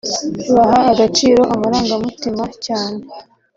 baha agaciro amarangamutima cyane